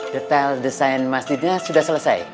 detail desain masjidnya sudah selesai